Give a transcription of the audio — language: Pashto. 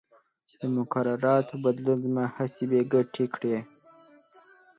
د مقرراتو بدلون زما هڅې بې ګټې کړې.